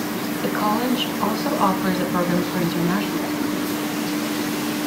The college also offers a program for international students.